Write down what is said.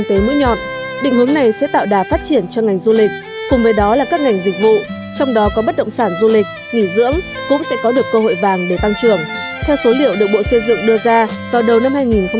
theo số liệu được bộ xây dựng đưa ra vào đầu năm hai nghìn một mươi tám